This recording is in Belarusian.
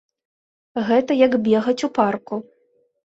Гэта як бегаць у парку.